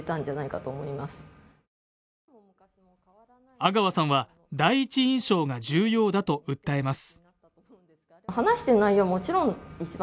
阿川さんは、第一印象が重要だと訴えます。